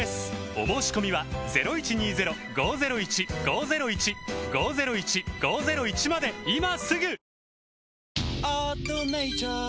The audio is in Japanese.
お申込みは今すぐ！